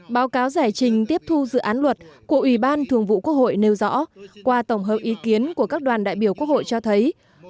báo cáo giải trình tiếp thu dự án luật của ủy ban thường vụ quốc hội nêu rõ qua tổng hợp ý kiến của các đoàn đại biểu quốc hội cho thấy